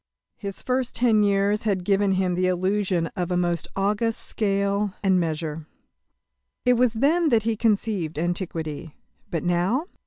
His first ten years had given him the illusion of a most august scale and measure. It was then that he conceived Antiquity. But now!